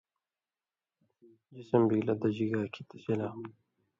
جسم بِگلہ دژی گا کھیں تسی لا